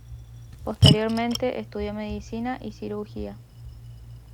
Posteriormente estudió Medicina y Cirugía.